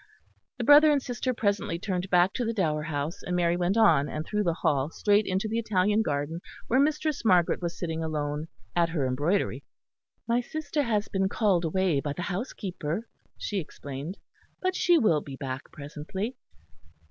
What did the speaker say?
The brother and sister presently turned back to the Dower House; and Mary went on, and through the Hall straight into the Italian garden where Mistress Margaret was sitting alone at her embroidery. "My sister has been called away by the housekeeper," she explained, "but she will be back presently."